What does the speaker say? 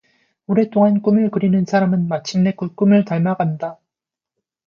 오랫동안 꿈을 그리는 사람은 마침내 그 꿈을 닮아 간다.